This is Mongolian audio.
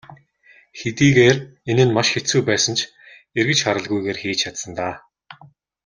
Хэдийгээр энэ нь маш хэцүү байсан ч эргэж харалгүйгээр хийж чадсан даа.